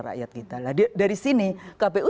rakyat kita dari sini kpu